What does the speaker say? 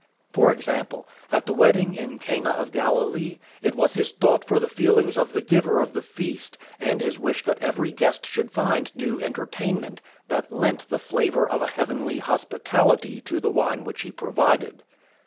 For example, at the wedding in Cana of Galilee, it was his thought for the feelings of the giver of the feast, and his wish that every guest should find due entertainment, that lent the flavour of a heavenly hospitality to the wine which he provided.